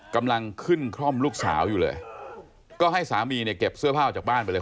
กำลังขึ้นคร่อมลูกสาวอยู่เลยก็ให้สามีเนี่ยเก็บเสื้อผ้าออกจากบ้านไปเลย